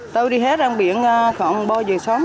tôi đi hái rong biển khoảng bao giờ sớm